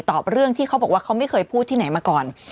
ตอบเรื่องที่เขาบอกว่าเขาไม่เคยพูดที่ไหนมาก่อน